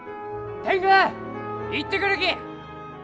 天狗行ってくるき！